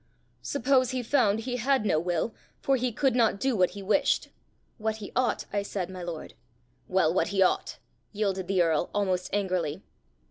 "Suppose he found he had no will, for he could not do what he wished?" "What he ought, I said, my lord." "Well, what he ought," yielded the earl almost angrily.